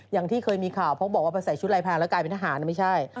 อย่างที่เคยมีข่าวเพราะบอกว่าไปใส่ชุดลายแพงแล้วกลายเป็นทหารไม่ใช่